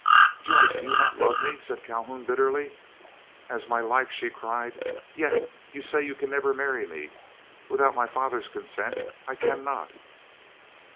"Joyce, you do not love me!" said Calhoun bitterly. "As my life," she cried. "Yet you say you can never marry me!" "Without my father's consent I cannot."